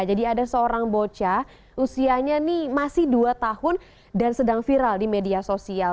jadi ada seorang bocah usianya ini masih dua tahun dan sedang viral di media sosial